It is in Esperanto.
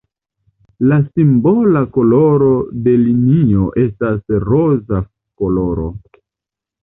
La simbola koloro de linio estas roza koloro.